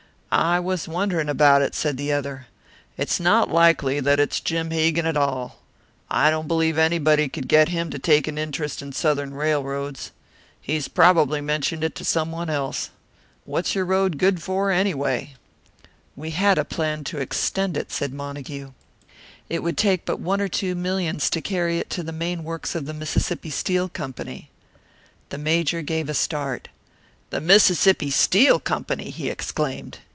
"I was wondering about it," said the other. "It is not likely that it's Jim Hegan at all. I don't believe anybody could get him to take an interest in Southern railroads. He has probably mentioned it to someone else. What's your road good for, anyway?" "We had a plan to extend it," said Montague. "It would take but one or two millions to carry it to the main works of the Mississippi Steel Company." The Major gave a start. "The Mississippi Steel Company!" he exclaimed.